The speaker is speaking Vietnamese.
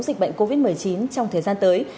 dịch bệnh covid một mươi chín trong thời gian tới